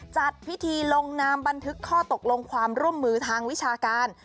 จัดพิธีลงนามบันทึกข้อตกลงความร่วมมือทางวิชาการ